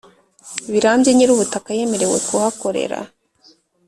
Birambye nyir ubutaka yemerewe kuhakorera